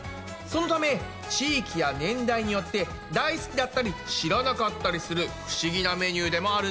そのため地域や年代によって大好きだったり知らなかったりする不思議なメニューでもあるんです。